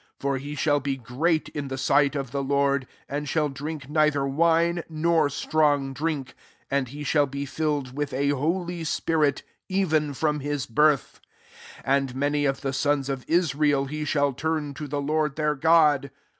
15 For he hall be great in the sight of the >ordj and ehall drink neither ine nor strong drink} and he haU be filled with a holy spirit y venfrom his birth. 1 6 And many fthe sons of Israel he shall turn ) the Lord their God.